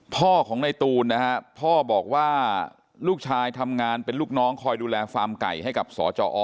พ่อของในตูนนะฮะพ่อบอกว่าลูกชายทำงานเป็นลูกน้องคอยดูแลฟาร์มไก่ให้กับสจอ